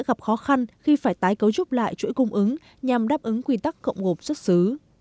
gặp khó khăn khi phải tái cấu trúc lại chuỗi cung ứng nhằm đáp ứng quy tắc cộng gộp xuất xứ